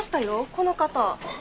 この方。